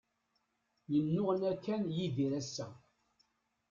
Yennuɣna kan Yidir ass-a.